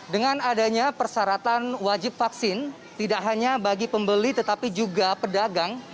dengan adanya persyaratan wajib vaksin tidak hanya bagi pembeli tetapi juga pedagang